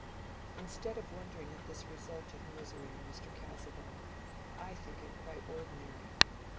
Instead of wondering at this result of misery in Mr. Casaubon, I think it quite ordinary.